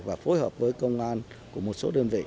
và phối hợp với công an của một số đơn vị